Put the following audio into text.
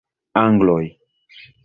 Angloj!